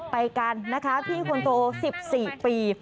ไปกันนะคะพี่คนโต๑๔ปี